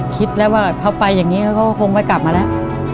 คิดแล้วว่าเขาไปอย่างนี้เขาก็คงไม่กลับมาแล้ว